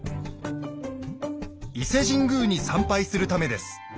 伊勢神宮に参拝するためです。